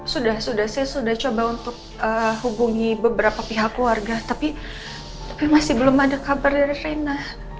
sudah sudah saya sudah coba untuk hubungi beberapa pihak keluarga tapi masih belum ada kabar dari vena